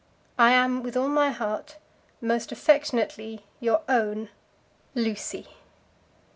I am, with all my heart, Most affectionately your own LUCY.